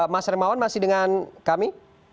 mas hermawan masih dengan kami